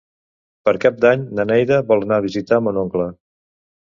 Per Cap d'Any na Neida vol anar a visitar mon oncle.